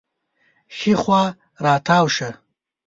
ښي خوا راتاو شه